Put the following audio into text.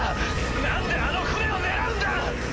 なんであの船を狙うんだ